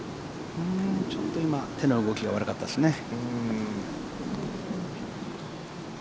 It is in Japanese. ちょっと今、手の動きが悪かったですね。